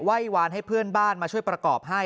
วานให้เพื่อนบ้านมาช่วยประกอบให้